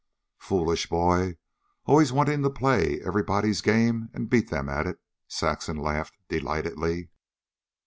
"Foolish boy, always wanting to play everybody's game and beat them at it," Saxon laughed delightedly.